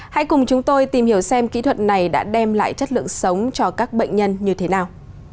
hãy cùng chúng tôi tìm hiểu xem kỹ thuật này đã đem lại chất lượng sống cho các bệnh nhân như thế nào